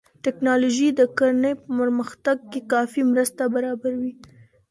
ټکنالوژي د کرنې په پرمختګ کې کافي مرسته برابروي.